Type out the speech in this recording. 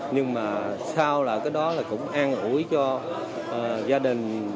nhưng mà sao là cái đó là cũng an ủi cho gia đình